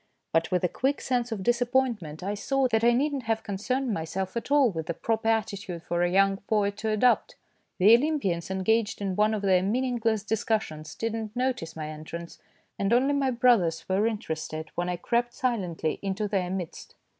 But with a quick sense of disappoint ment I saw that I need not have concerned 164 THE DAY BEFORE YESTERDAY myself at all with the proper attitude for a young poet to adopt. The Olympians, engaged in one of their meaningless dis cussions, did not notice my entrance, and only my brothers were interested when I crept silently into their midst.